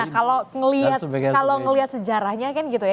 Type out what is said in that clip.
kalau melihat sejarahnya kan gitu ya